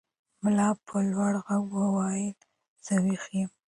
ملا په لوړ غږ وویل چې زه ویښ یم.